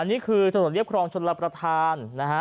นี่คือถนนเรียบครองชนรับประทานนะฮะ